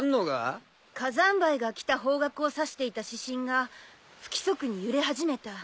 火山灰が来た方角を指していた指針が不規則に揺れ始めた。